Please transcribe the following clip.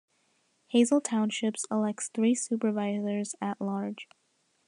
Hazle Township elects three supervisors at-large.